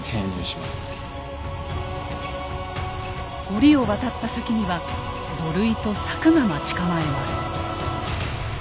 堀を渡った先には土塁と柵が待ち構えます。